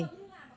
những cấu kiện